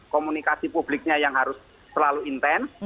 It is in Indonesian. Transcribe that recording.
komunikasi publiknya yang harus selalu intens